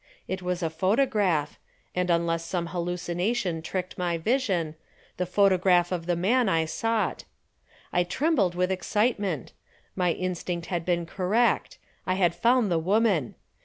It was a photograph, and unless some hallucination tricked my vision, the photograph of the man I sought. I trembled with excitement. My instinct had been correct. I had found the woman.